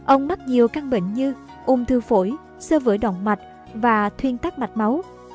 ông mắc nhiều căn bệnh như ung thư phổi sơ vữa động mạch và thuyên tắc mạch máu